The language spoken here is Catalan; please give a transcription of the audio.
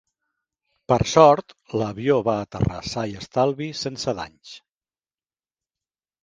Per sort, l'avió va aterrar sa i estalvi sense danys.